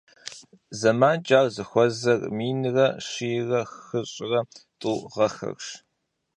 ЗэманкӀэ ар зыхуэзэр минрэ щийрэ хыщӀрэ тӀу гъэхэрщ.